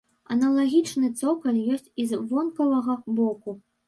Аналагічны цокаль ёсць і з вонкавага боку.